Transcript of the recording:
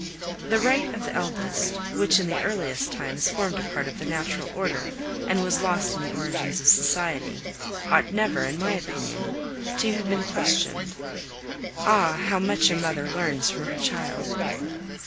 The right of the eldest, which in the earliest times formed a part of the natural order and was lost in the origins of society, ought never, in my opinion, to have been questioned. Ah! how much a mother learns from her child!